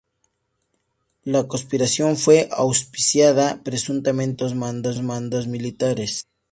La conspiración fue auspiciada, presuntamente, por altos mandos militares.